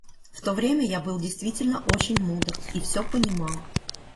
В то время я был действительно очень мудр и всё понимал.